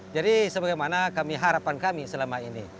jadi sebagaimana harapan kami selama ini